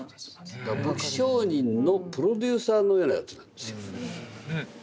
だから武器商人のプロデューサーのようなやつなんですよ。